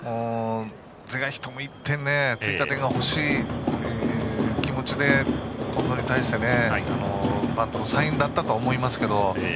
是が非でも１点追加点が欲しい気持ちで近藤に対してバントのサインだったと思いますけど。